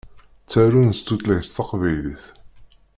Ttarun s tutlayt taqbaylit.